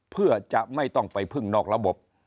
เพื่อจะไม่ต้องไปพึ่งนอกระบบ